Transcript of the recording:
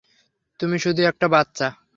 তুমি শুধু একটা বাচ্চা।